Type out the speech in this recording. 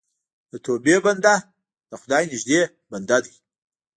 د توبې بنده د خدای نږدې بنده دی.